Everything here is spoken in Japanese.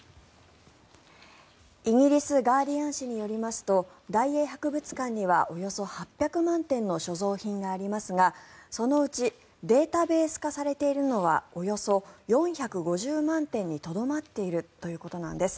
イギリス、ガーディアン紙によりますと大英博物館にはおよそ８００万点の所蔵品がありますがそのうちデータベース化されているのはおよそ４５０万点にとどまっているということなんです。